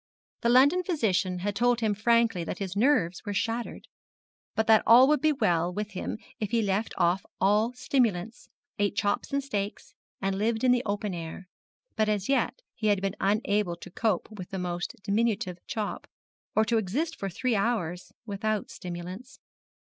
The London physician had told him frankly that his nerves were shattered, but that all would be well with him if he left off all stimulants, ate chops and steaks, and lived in the open air; but as yet he had been unable to cope with the most diminutive chop, or to exist for three hours without stimulants.